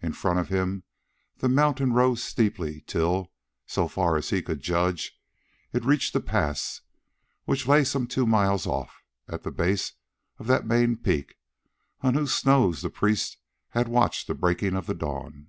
In front of him the mountain rose steeply till, so far as he could judge, it reached a pass which lay some two miles off, at the base of that main peak, on whose snows the priests had watched the breaking of the dawn.